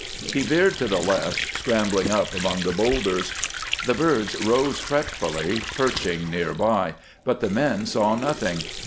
He veered to the left, scrambling up among the boulders. The birds rose fretfully, perching near by, but the men saw nothing.